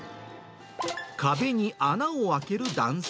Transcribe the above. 壁に穴を開ける男性。